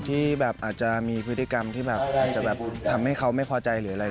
ที่แบบอาจจะมีพฤติกรรมที่แบบอาจจะแบบทำให้เขาไม่พอใจหรืออะไร